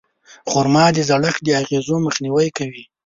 خرما د زړښت د اغېزو مخنیوی کوي.